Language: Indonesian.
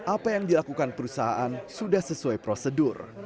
apa yang dilakukan perusahaan sudah sesuai prosedur